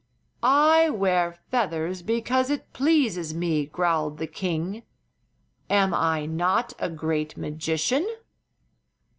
"I wear feathers because it pleases me," growled the king. "Am I not a great magician?